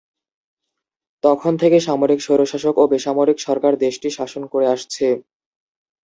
তখন থেকে সামরিক স্বৈরশাসক ও বেসামরিক সরকার দেশটি শাসন করে আসছে।